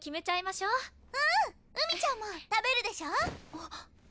あっ。